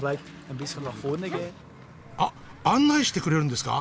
あっ案内してくれるんですか？